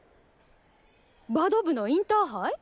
バド部のインターハイ？